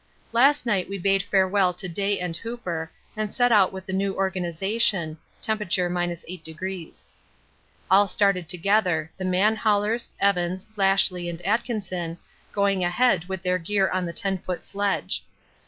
Last night we bade farewell to Day and Hooper and set out with the new organisation (T. 8°). All started together, the man haulers, Evans, Lashly, and Atkinson, going ahead with their gear on the 10 ft. sledge.